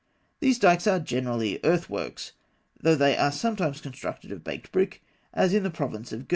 These dikes are generally earth works, though they are sometimes constructed of baked brick, as in the province of Girgeh.